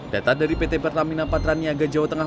data dari pt pertamina patraniaga jawa tengah